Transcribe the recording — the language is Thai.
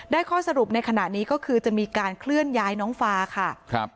ข้อสรุปในขณะนี้ก็คือจะมีการเคลื่อนย้ายน้องฟ้าค่ะครับ